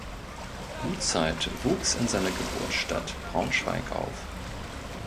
Gutzeit wuchs in seiner Geburtsstadt Braunschweig auf.